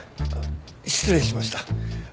失礼しました。